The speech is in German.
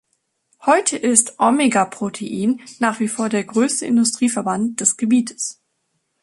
Heute ist Omega Protein nach wie vor der größte Industrieverband des Gebiets.